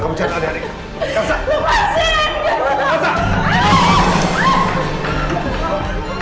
aku tak mau